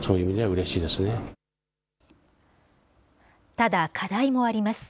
ただ、課題もあります。